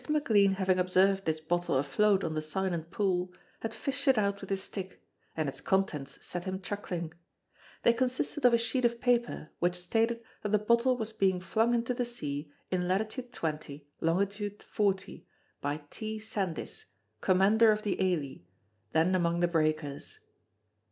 McLean having observed this bottle afloat on the Silent Pool, had fished it out with his stick, and its contents set him chuckling. They consisted of a sheet of paper which stated that the bottle was being flung into the sea in lat. 20, long. 40, by T. Sandys, Commander of the Ailie, then among the breakers.